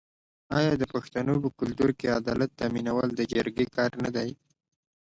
آیا د پښتنو په کلتور کې عدالت تامینول د جرګې کار نه دی؟